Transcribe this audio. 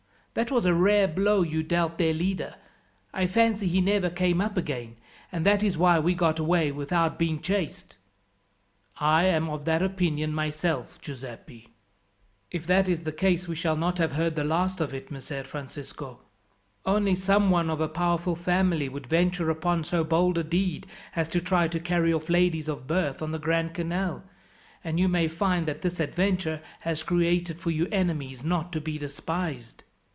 That was a rare blow you dealt their leader. I fancy he never came up again, and that that is why we got away without being chased." "I am of that opinion myself, Giuseppi." "If that is the case we shall not have heard the last of it, Messer Francisco. Only someone of a powerful family would venture upon so bold a deed, as to try to carry off ladies of birth on the Grand Canal, and you may find that this adventure has created for you enemies not to be despised."